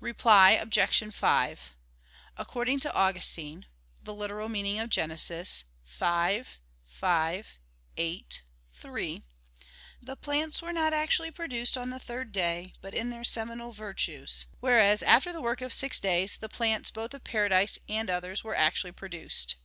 Reply Obj. 5: According to Augustine (Gen. ad lit. v, 5, viii, 3), the plants were not actually produced on the third day, but in their seminal virtues; whereas, after the work of the six days, the plants, both of paradise and others, were actually produced.